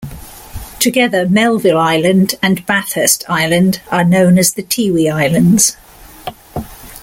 Together, Melville Island and Bathurst Island are known as the Tiwi Islands.